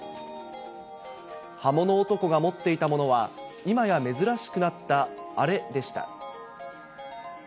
刃物男が持っていたものは、今や珍しくなった、あれでした。